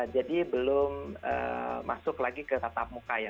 jadi belum masuk lagi ke tetap muka ya